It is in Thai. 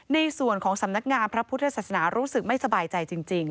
ในส่วนของสำนักงานพระพุทธศาสนารู้สึกไม่สบายใจจริง